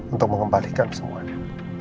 untuk mengembalikan semuanya